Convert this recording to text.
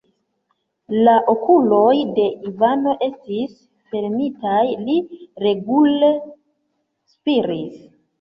La okuloj de Ivano estis fermitaj, li regule spiris.